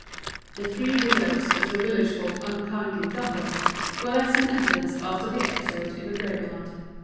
The "three widows," as the village folk unkindly dubbed them, were less in evidence after the episode in the graveyard.